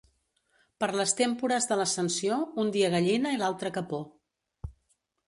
Per les témpores de l'Ascensió, un dia gallina i l'altre capó.